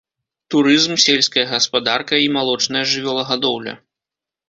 Турызм, сельская гаспадарка і малочная жывёлагадоўля.